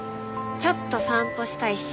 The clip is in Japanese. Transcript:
ちょっと散歩したいし。